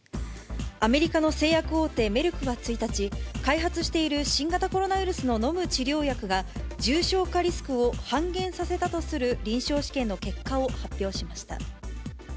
アメリカの製薬大手、メルクは１日、開発している新型コロナウイルスの飲む治療薬が、重症化リスクを半減させたとする臨床試験の結果を発表しました。